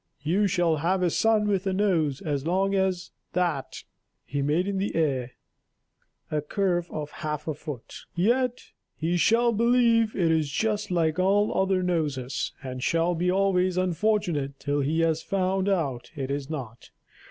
You shall have a son with a nose as long as that;" he made in the air a curve of half a foot; "yet he shall believe it is just like all other noses, and shall be always unfortunate till he has found out it is not.